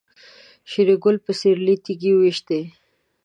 شېرګل په سيرلي تيږې وويشتې.